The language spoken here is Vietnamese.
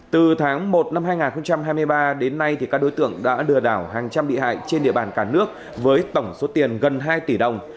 từ tháng một năm hai nghìn hai mươi ba đến nay các đối tượng đã lừa đảo hàng trăm bị hại trên địa bàn cả nước với tổng số tiền gần hai tỷ đồng